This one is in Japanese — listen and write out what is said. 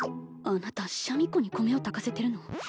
あなたシャミ子に米を炊かせてるの？